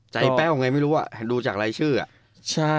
ใจแปลวไงไม่รู้อะดูจากรายชื่ออะ